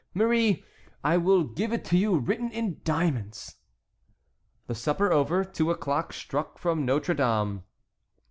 Marie, I will give it to you written in diamonds." The supper over, two o'clock struck from Notre Dame.